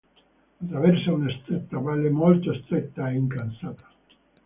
Attraversa una stretta valle molto stretta e incassata.